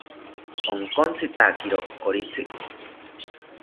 Onkotzitakiro koritzi